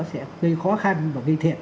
sẽ gây khó khăn và gây thiệt